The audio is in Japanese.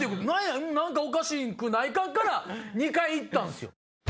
何かおかしくないか？」から２回行ったんすよ。